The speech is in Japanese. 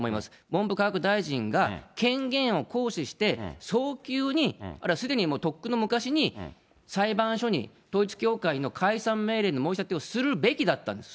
文部科学大臣が、権限を行使して早急に、あるいはすでに、とっくの昔に裁判所に統一教会の解散命令の申し立てをするべきだったんです。